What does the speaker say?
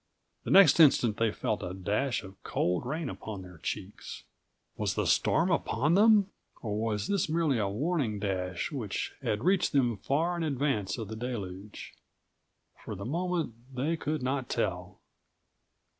The next instant they felt a dash of cold rain upon their cheeks. Was the storm upon them? Or was this merely a warning dash which had reached them far in advance of the deluge? For the moment they could not tell.